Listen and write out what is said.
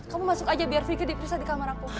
kamu masuk aja biar vicky diperiksa di kamar aku